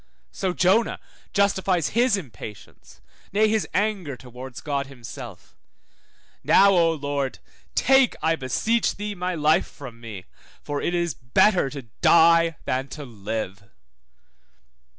1616 1 Kings 19:4 So Jonah justifies his impatience, nay, his anger, towards God himself: Now, O Lord, take, I beseech thee, my life from me, for it is better to die than to live.